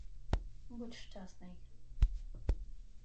— Будь щасний.